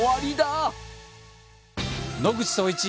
野口聡一。